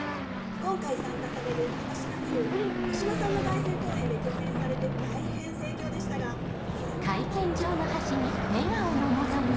今回参加される高階フィルは三島さんの凱旋公演で共演されて大変盛況でしたがそれも参加理由の一つでしょうか？